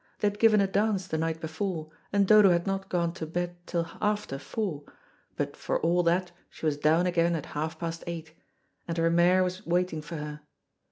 They had given a dance the night before, and Dodo had not gone to bed till after four; but for all that she was down again at half past eight, and her mare was waiting for her.